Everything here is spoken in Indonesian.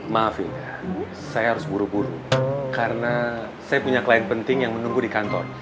maafin saya harus buru buru karena saya punya klien penting yang menunggu di kantor